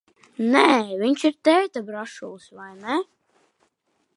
Nē, viņš ir tēta brašulis, vai ne?